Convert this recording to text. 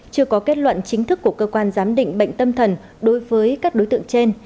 chưa có kết luận chính thức của cơ quan giám định bệnh tâm thần đối với các đối tượng trên